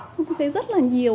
không phải rất là nhiều